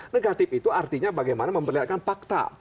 negatif itu artinya bagaimana memperlihatkan fakta